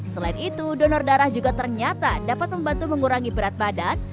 selain itu donor darah juga ternyata dapat membantu mengurangi berat badan